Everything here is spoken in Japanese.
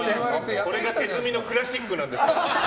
これが手積みのクラシックなんですから。